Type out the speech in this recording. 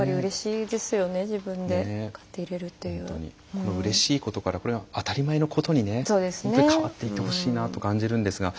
このうれしいことからこれが当たり前のことに本当に変わっていってほしいなと感じるんですが。